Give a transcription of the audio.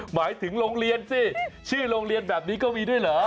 หมายถึงโรงเรียนสิชื่อโรงเรียนแบบนี้ก็มีด้วยเหรอ